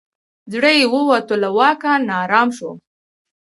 زړه یې ووتی له واکه نا آرام سو